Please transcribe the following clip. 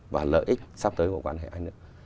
và lợi ích sắp tới của quan hệ hai nước